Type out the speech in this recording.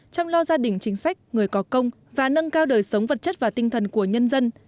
chăm lo gia đình chính sách người có công và nâng cao đời sống vật chất và tinh thần của nhân dân